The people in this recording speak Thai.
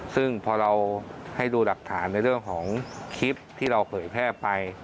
ซึ่งพอเราให้ดูหลักฐานในเรื่องของคลิปที่เราเผยแพร่ไป